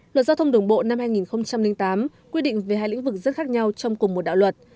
luật giao thông đường bộ năm hai nghìn tám quy định về hai lĩnh vực rất khác nhau trong cùng một đạo luật